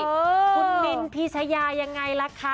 คุณมินพีชยายังไงล่ะคะ